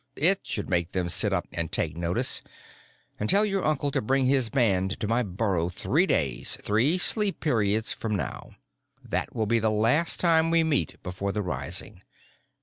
It should make them sit up and take notice. And tell your uncle to bring his band to my burrow three days three sleep periods from now. That will be the last time we meet before the rising.